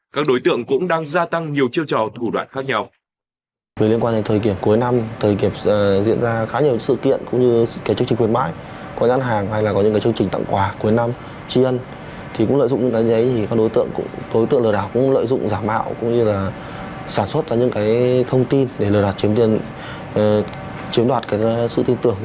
các đối tượng cũng đang gia tăng nhiều chiêu trò thủ đoạn khác nhau